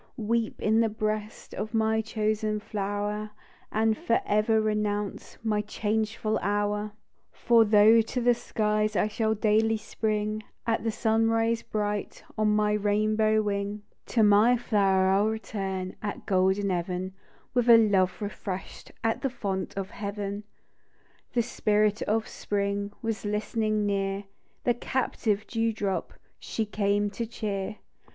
Weep in the breast Of my chosen flower, And for ever renounce My changeful hour ; For tho' to the skies I shall daily spring, At the sunrise bright, On my rainbow wing, 88 THE DEW DROP. " To my flower I'll return At golden even, With a love refresh'd At the fount of heaven The Spirit of Spring Was listening near ; The captive dew drop She came to cheer